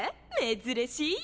珍しい！